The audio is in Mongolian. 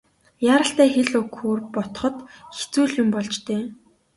Яаралтай хэл өгөхөөр бодоход хэцүү л юм болж дээ.